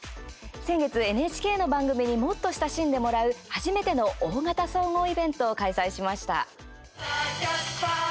先月、ＮＨＫの番組にもっと親しんでもらう初めての大型総合イベントを開催しました。